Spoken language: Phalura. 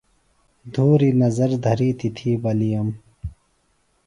دھوری نظر دھرینیۡ تھی بلِییم۔